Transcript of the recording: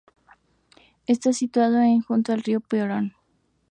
Está situado junto al río Pirón.